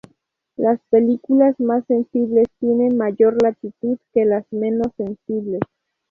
Las películas más sensibles tienen mayor latitud que las menos sensibles.